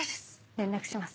連絡します。